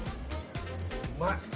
うまい。